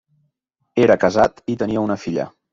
Era casat i tenia una filla.